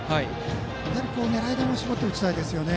やはり、狙い球を絞って打ちたいですね。